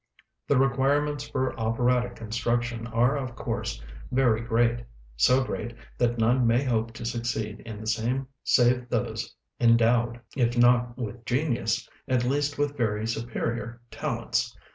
The requirements for operatic construction are of course very great, so great, that none may hope to succeed in the same save those endowed, if not with genius, at least with very superior talents.